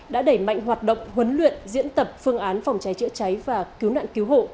đã đẩy mạnh hoạt động huấn luyện diễn tập phương án phòng cháy chữa cháy và cứu nạn cứu hộ